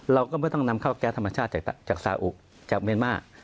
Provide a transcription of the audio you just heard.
เราก็ไม่ต้องนำเข้าแก๊สธรรมชาติจากซาอุจากเมียนมาร์